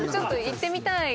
行ってみたい？